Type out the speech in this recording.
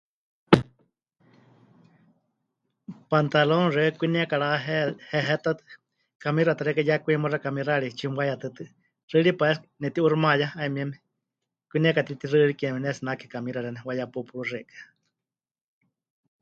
Pantalón xeikɨ́a kwinie karahehetetɨ, kamixa ta xeikɨ́a 'iyá kwiemuxa kamixayari tsimɨwayetɨtɨ, xɨrípa es que nepɨti'uuximayá 'ayumieme, kwinie katitixɨrikeme pɨnetsinake kamixa xeeníu, muwayepupuru xeikɨ́a.